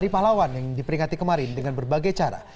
pahlawan yang diperingati kemarin dengan berbagai cara